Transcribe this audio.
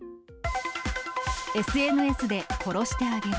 ＳＮＳで、殺してあげる。